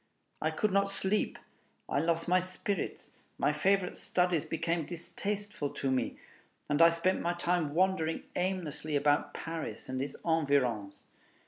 I could not sleep, I lost my spirits, my favorite studies became distasteful to me, and I spent my time wandering aimlessly about Paris and its environs.